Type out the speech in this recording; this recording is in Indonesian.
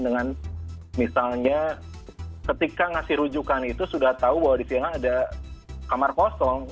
dengan misalnya ketika ngasih rujukan itu sudah tahu bahwa di sini ada kamar kosong